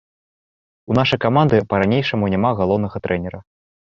У нашай каманды па-ранейшаму няма галоўнага трэнера.